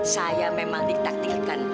saya memang ditaktikan